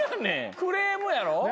クレームやろ？